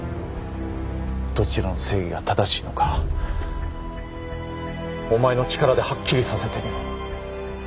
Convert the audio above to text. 「どちらの正義が正しいのかお前の力ではっきりさせてみろ」